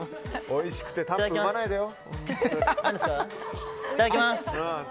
おいしくてタップ踏まないでよ。